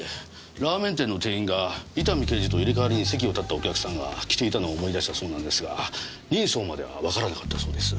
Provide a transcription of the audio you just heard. ラーメン店の店員が伊丹刑事と入れ代わりに席を立ったお客さんが着ていたのを思い出したそうなんですが人相まではわからなかったそうです。